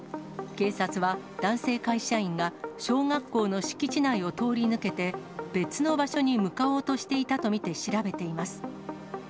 警察は男性会社員が、小学校の敷地内を通り抜けて、別の場所に向かおうとしていたと見て調べています。